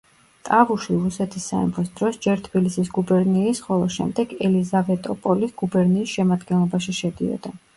ტავუში რუსეთის სამეფოს დროს ჯერ თბილისის გუბერნიის, ხოლო შემდეგ ელიზავეტოპოლის გუბერნიის შემადგენლობაში შედიოდა.